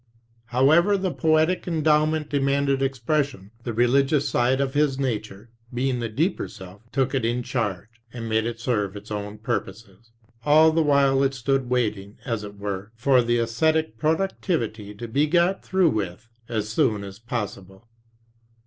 However, the poetic endowment demanded expression. The religious side of his nature, being the deeper self, took it in charge, and made it serve its own purposes. All the while it stood waiting, as it were, for the esthetic productivity to be got through with as soon as possible.